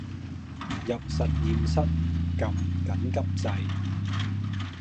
入實驗室㩒緊急掣